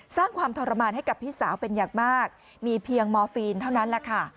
สร้างความทรมานให้กับพี่สาวเป็นอย่างมากมีเพียงมอร์ฟีนเท่านั้นแหละค่ะ